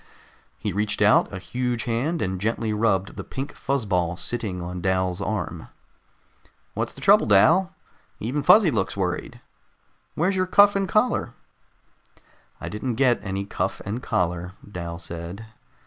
He reached out a huge hand and gently rubbed the pink fuzz ball sitting on Dal's arm. "What's the trouble, Dal? Even Fuzzy looks worried. Where's your cuff and collar?" "I didn't get any cuff and collar," Dal said.